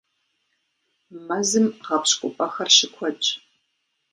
Мэзым гъэпщкӀупӀэхэр щыкуэдщ.